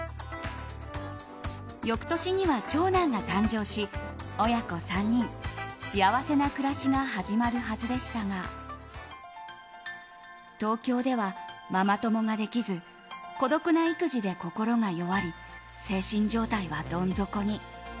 翌年には長男が誕生し親子３人、幸せな暮らしが始まるはずでしたが東京ではママ友ができず孤独な育児で心が弱り精神状態はどん底に。